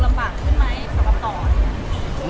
หลายอย่างมันดูลำบากขึ้นใหม่สำหรับตอน